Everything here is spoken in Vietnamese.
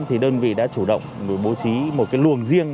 thì đơn vị đã chủ động bố trí một cái luồng riêng